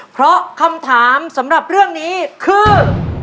เพราะคำถามสำหรับเรื่องนี้คือ